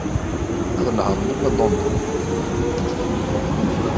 Ad nehṛen arma d London.